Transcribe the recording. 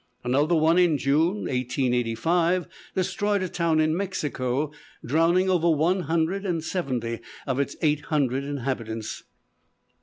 Another one in June, 1885, destroyed a town in Mexico, drowning over one hundred and seventy of its eight hundred inhabitants.